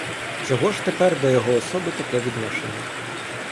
Чого ж тепер до його особи таке відношення?